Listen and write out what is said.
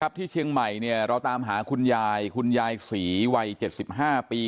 ครับที่เชียงใหม่เนี่ยเราตามหาคุณยายคุณยายศรีวัยเจ็ดสิบห้าปี